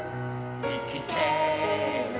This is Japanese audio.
「いきてる